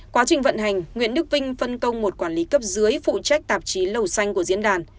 quá trình vận hành nguyễn đức vinh phân công một quản lý cấp dưới phụ trách tạp chí lầu xanh của diễn đàn